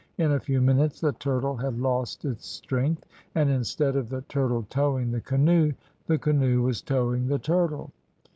In a few minutes the turtle had lost its strength, and, instead of the turtle towing the canoe, the canoe was towing the turtle.